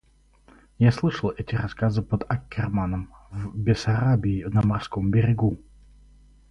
Я слышал эти рассказы под Аккерманом, в Бессарабии, на морском берегу.